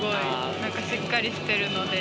なんかしっかりしてるので。